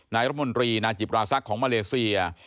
นายรัฐมนตรีนาจิปราสักของมาเลเซีย